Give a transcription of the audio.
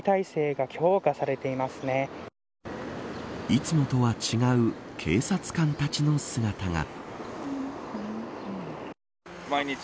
いつもとは違う警察官たちの姿が。